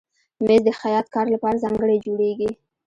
مېز د خیاط کار لپاره ځانګړی جوړېږي.